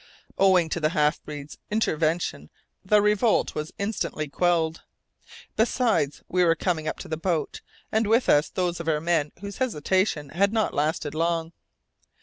Owing to the half breed's intervention the revolt was instantly quelled. Besides, we were coming up to the boat, and with us those of our men whose hesitation had not lasted long.